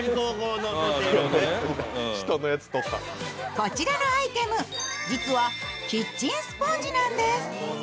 こちらのアイテム、実はキッチンスポンジなんです。